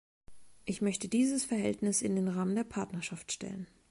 Ich möchte dieses Verhältnis in den Rahmen der Partnerschaft stellen.